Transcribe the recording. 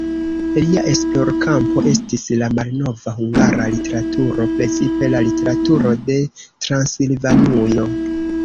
Lia esplorkampo estis la malnova hungara literaturo, precipe la literaturo de Transilvanujo.